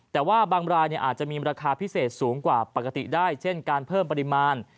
แต่ว่าบางรายอาจจะมีราคาพิเศษสูงกว่าปกติได้เช่นการเพิ่มปริมาณ